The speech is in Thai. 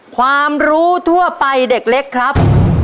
ความรู้ทั่วไปเด็กเล็กครับ